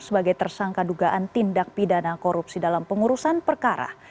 sebagai tersangka dugaan tindak pidana korupsi dalam pengurusan perkara